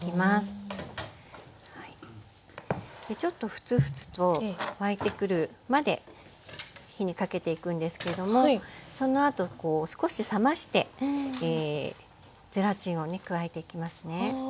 ちょっとフツフツと沸いてくるまで火にかけていくんですけどもそのあと少し冷ましてゼラチンをね加えていきますね。